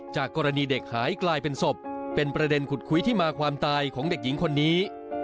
จากกรณีเด็กหายกลายเป็นศพเป็นประเด็นขุดคุยที่มาความตายของเด็กหญิงคนนี้